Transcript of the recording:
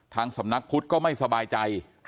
สำนักพุทธก็ไม่สบายใจ